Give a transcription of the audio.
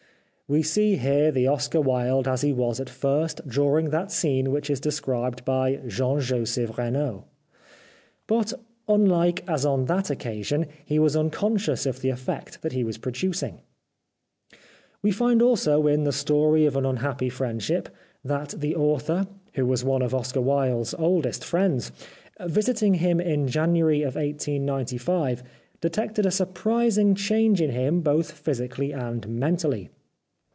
" We see here the Oscar Wilde as he was at first during that scene which is described by Jean Joseph Renaud. But, unlike as on that occasion, he was unconscious of the effect that he was producing. We find also in " The Story of an Unhappy 345 The Life of Oscar Wilde Friendship " that the author, who was one of Oscar Wilde's oldest friends, visiting him in January of 1895, detected a surprising change in him both physically and mentally.